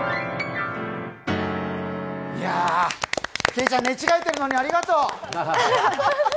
けいちゃん、寝違えてるのにありがとう！